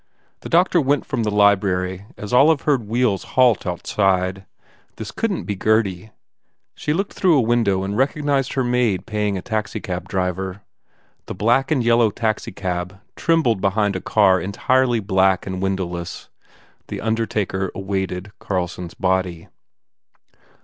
The doctor went from the library as Olive heard wheels halt outside. This couldn t be Gurdy. She looked through a window and recognized her maid paying a taxi cab driver. The black and yellow taxicab trem bled behind a car entirely black and windowless; the undertaker awaited Carlson s body.